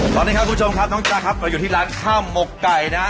สวัสดีครับคุณผู้ชมครับน้องจ๊ะครับเราอยู่ที่ร้านข้าวหมกไก่นะฮะ